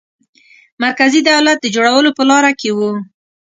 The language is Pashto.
مرکزي دولت د جوړولو په لاره کې وو.